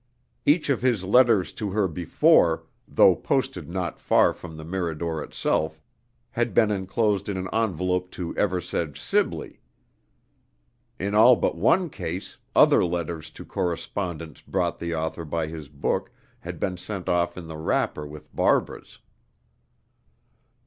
Each of his letters to her before, though posted not far from the Mirador itself, had been enclosed in an envelope to Eversedge Sibley. In all but one case, other letters to correspondents brought the author by his book had been sent off in the wrapper with Barbara's.